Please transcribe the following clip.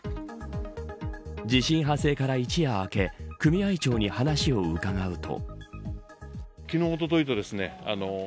地震発生から一夜明け組合長に話を伺うと。